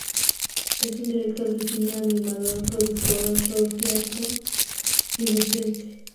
Es un director de cine, animador, productor, autor teatral y docente.